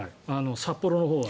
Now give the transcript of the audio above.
札幌のほうは。